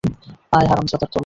আয়, হারামজাদার দল।